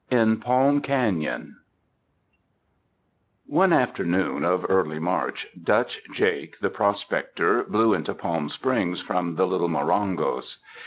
In Palm Canon One afternoon of early March, Dutch Jake, the prospector, blew into Palm Springs from the Little Morongos.